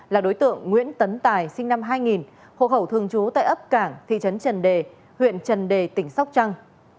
là đối tượng nguyễn tấn tài sinh năm hai nghìn hộ khẩu thường trú tại ấp cảng thị trấn trần đề huyện trần đề tỉnh sóc trăng